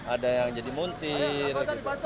ada yang jadi muntir